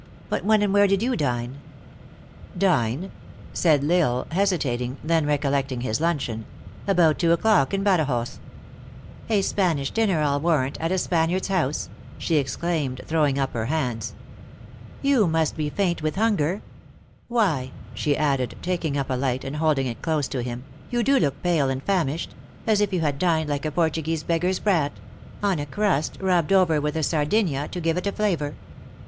" But when and where did you dine ?"" Dine ?" said L Isle, hesitating, then recollecting his luncheon ;" about two o clock, in Badajoz." " A Spanish dinner, I ll warrant, at a Spaniard s house!" she exclaimed, throwing up her hands. 366 THE ACTKESS IN HIGH LIFE. " You must be faint with hunger. Why," she added, taking np a light, and holding it close to him, "you do look pale and famished ; as if you had dined like a Portuguese beggar s brat, on a crust, rubbed over with a sardinha, to give it a flavor.